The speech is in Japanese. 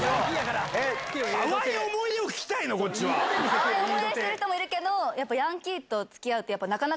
淡い思い出してる人もいるけど。